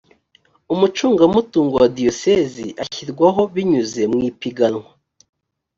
umucungamutungo wa diyosezi ashyirwaho binyuze mu ipiganwa